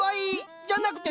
じゃなくて名前！